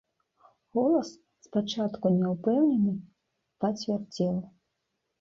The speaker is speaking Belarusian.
Голас, спачатку няўпэўнены, пацвярдзеў.